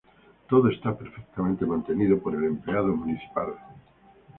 Todo está perfectamente mantenido por el empleado municipal.